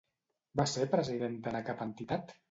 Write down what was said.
Va ser presidenta de cap entitat?